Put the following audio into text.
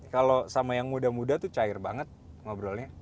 kalau sama yang muda muda tuh cair banget ngobrolnya